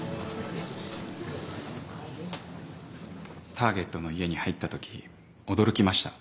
ターゲットの家に入ったとき驚きました。